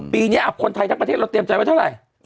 ปีนี้คนไทยทั้งประเทศเราเตรียมใจไว้เท่าไหร่